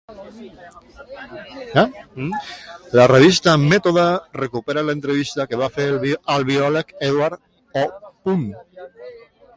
La revista Mètode recupera l'entrevista que va fer al biòleg Edward O.